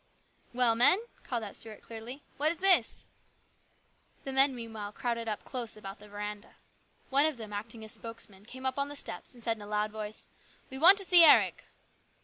"Well, men," called out Stuart clearly, "what is this ?" The men meanwhile crowded up close about the veranda. One of them, acting as spokesman, came up on the steps and said in a loud voice, " We want to see Eric."